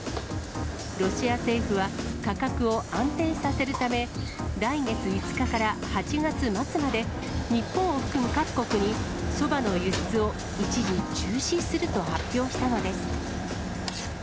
ロシア政府は、価格を安定させるため、来月５日から８月末まで、日本を含む各国に、そばの輸出を一時中止すると発表したのです。